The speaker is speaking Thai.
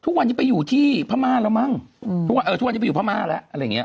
ทุกวันนี้ไปอยู่ที่พระม่าแล้วมั้งทุกวันนี้ไปอยู่พระม่าแล้วอะไรอย่างนี้